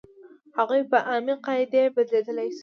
هغوی په عامې قاعدې بدلېدلی شوې.